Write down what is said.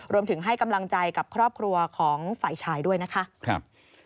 รวมถึงให้กำลังใจกับครอบครัวของฝ่ายชายด้วยนะคะ